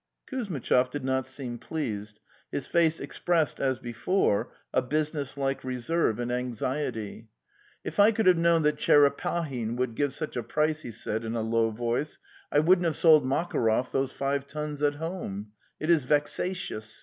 Kuzmit chov did not seem pleased; his face expressed, as before, a business like reserve and anxiety. The Steppe 289 "Tf I could have known that Tcherepahin would give such a price,' he said in a lew voice, "I wouldn't have sold Makarov those five tons at home. It is vexatious!